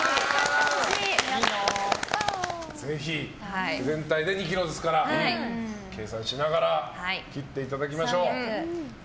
ぜひ、全体で２ｋｇですから計算しながら切っていただきましょう。